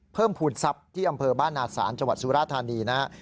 เพิ่มผูลทรัพย์ที่อำเภอบ้านนาศาลจสุรธานีนะฮะ